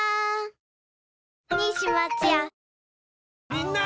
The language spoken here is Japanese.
みんな！